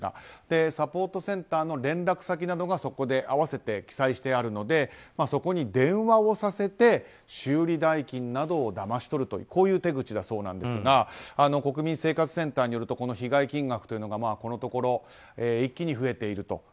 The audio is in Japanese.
サポートセンターの連絡先などが合わせて記載されているのでそこに電話をさせて修理代金などをだまし取るという手口だそうですが国民生活センターによると被害金額がこのところ一気に増えていると。